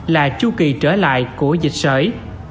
là chu kỳ trở lại của dịch sởi